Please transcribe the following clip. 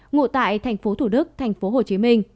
ngủ tại tp hcm